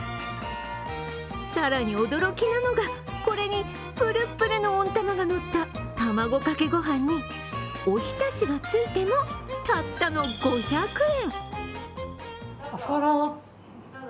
更に驚きなのが、これに、ぷるっぷるの温玉がのった卵かけ御飯におひたしがついても、たったの５００円。